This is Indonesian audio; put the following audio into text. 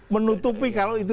menutupi kalau itu